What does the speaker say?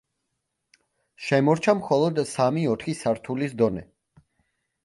შემორჩა მხოლოდ სამი-ოთხი სართულის დონე.